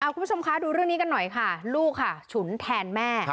คุณผู้ชมคะดูเรื่องนี้กันหน่อยค่ะลูกค่ะฉุนแทนแม่